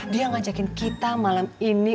dia ngajakin kita malam ini